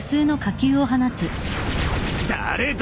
誰だ！